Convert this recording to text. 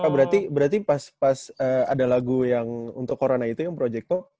berarti pas ada lagu yang untuk corona itu yang project pop